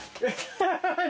ハハハ